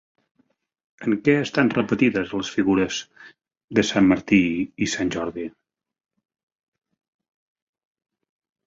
En què estan repetides les figures de Sant Martí i Sant Jordi?